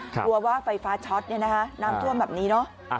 กลัวว่าไฟฟ้าช็อตน้ำท่วมแบบนี้เนอะ